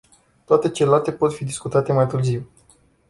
Toate celelalte pot fi discutate mai târziu.